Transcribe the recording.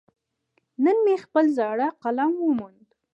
نن مې خپل زاړه قلم وموند.